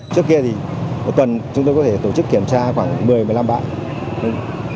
trước kia thì một tuần chúng tôi có thể tổ chức kiểm tra khoảng một mươi một mươi năm bạn